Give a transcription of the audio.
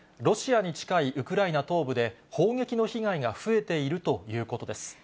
ロシアに近いウクライナ東部で、砲撃の被害が増えているということです。